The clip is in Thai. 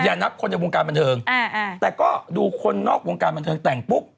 นับคนในวงการบันเทิงแต่ก็ดูคนนอกวงการบันเทิงแต่งปุ๊บ